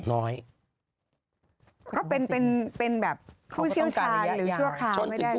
น้อยเขาเป็นเป็นเป็นแบบผู้เชี่ยวชาญหรือเชื่อพาไม่ได้หรอ